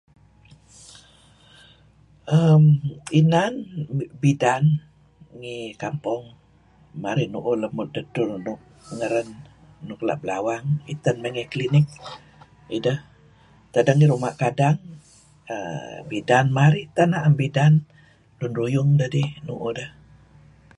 Erm... Inan... bidan ngih kampong marih nu'uh dedtur nuk ngeren nuk leh belawang. Iten mey ngih klinik ideh. Tak deh night ruma' cadano, bidan marih. Tak na'em bidan, lun ruyung dedih marih un'uh ideh.